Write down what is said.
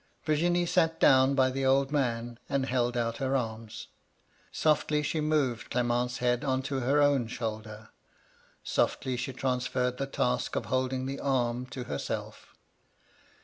Virginie sat down by the old man, and held out her arms. Softly she moved Clement's head to her own shoulder ; softly she trans ferred the task of holding the arm to herself.